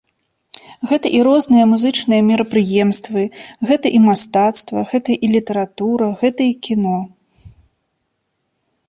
Гэта і розныя музычныя мерапрыемствы, гэта і мастацтва, гэта і літаратура, гэта і кіно.